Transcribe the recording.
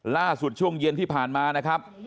ล่าสุดช่วงเย็นที่ผ่านมานะครับ